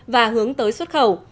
và hướng tới xuất khẩu